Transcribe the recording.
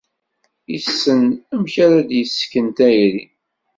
Yessen amek ara d-yessken tayri.